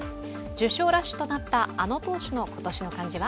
受賞ラッシュとなったあの投手の今年の漢字は？